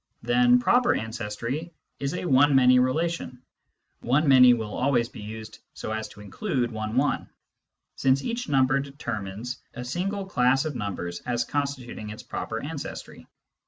Then " proper ancestry " is a one many relation (one many will always be used so as to include one one), since each number determines a single class of numbers as constituting its proper ancestry.